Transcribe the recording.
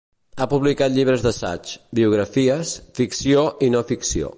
Ha publicat llibres d'assaig, biografies, ficció i no ficció.